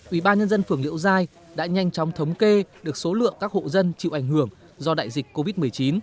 ủy ban nhân dân phường liễu giai đã nhanh chóng thống kê được số lượng các hộ dân chịu ảnh hưởng do đại dịch covid một mươi chín